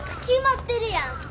決まってるやん。